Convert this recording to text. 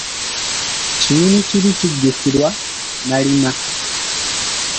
Kiyinikibi, kijjukirwa malima.